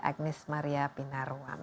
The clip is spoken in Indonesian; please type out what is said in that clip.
agnes maria pinaruan